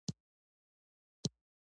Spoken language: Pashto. کار پیل کړ.